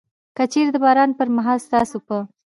که چيري د باران پر مهال ستاسو په